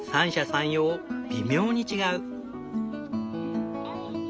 三様微妙に違う。